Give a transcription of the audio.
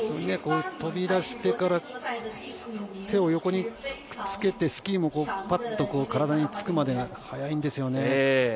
飛び出してから手を横にくっつけてスキーもパッと体につくまでが早いんですよね。